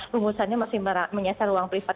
rumusannya masih menyasar ruang privat